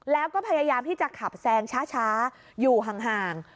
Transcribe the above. แล้วก็พยายามที่จะขับแซงช้าอยู่ห่าง